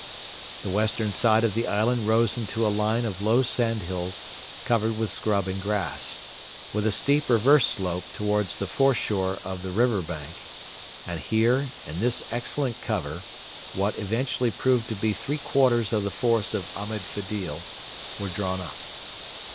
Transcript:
The western side of the island rose into a line of low sandhills covered with scrub and grass, with a steep reverse slope towards the foreshore of the river bank; and here, in this excellent cover, what eventually proved to be three quarters of the force of Ahmed Fedil were drawn up.